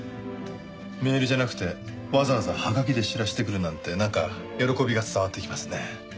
メールじゃなくてわざわざハガキで知らせてくるなんてなんか喜びが伝わってきますね。